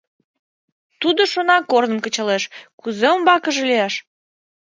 Тудо шона, корным кычалеш — кузе умбакыже лияш.